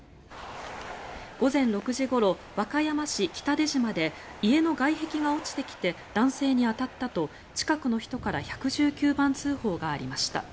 午前６時ごろ、和歌山市北出島で家の外壁が落ちてきて男性に当たったと、近くの人から１１９番通報がありました。